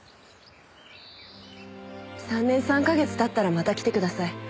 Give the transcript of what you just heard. ３年３か月経ったらまた来てください。